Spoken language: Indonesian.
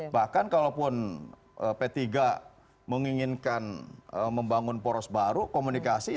bahkan kalaupun p tiga menginginkan membangun poros baru komunikasi